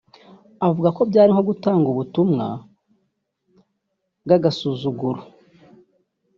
avuga ko byari nko gutanga “ubutumwa bw’agasuzuguro”